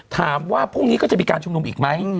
ถามว่าพรุ่งนี้ก็จะมีการชุมนุมอีกไหม